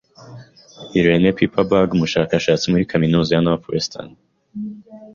Irene Pepperberg, umushakashatsi muri kaminuza ya Northwestern,